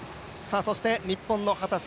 そして日本の秦澄